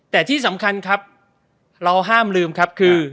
แต่ที่สำคัญครับเราห้ามลืมครับคือ